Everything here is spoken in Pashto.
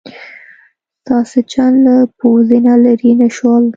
ساسچن له پوزې نه لرې نه شول.